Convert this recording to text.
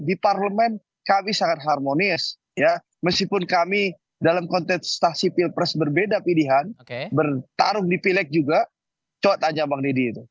di parlemen kami sangat harmonis meskipun kami dalam konteks stasi pilpres berbeda pilihan bertarung di pilek juga coba tanya bang didi itu